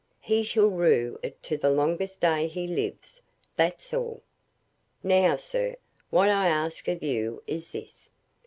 He shall rue it the longest day he lives, that's all. Now, sir, what I ask of you is this.